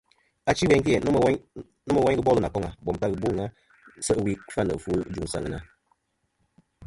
Achi ɨwe gvi-æ nomɨ woyn ghɨ bol nà koŋa bom teyn ta ghɨ bo àŋena se' ɨwe kfa nɨ ɨfwo ɨ juŋ sɨ àŋena.